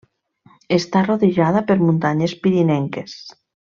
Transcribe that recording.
Està rodejada per muntanyes pirinenques.